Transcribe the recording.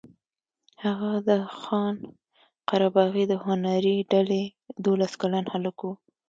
هغه د خان قره باغي د هنري ډلې دولس کلن هلک و.